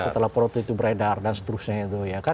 setelah foto itu beredar dan seterusnya